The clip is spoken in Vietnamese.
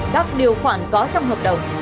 các điều khoản có trong hợp đồng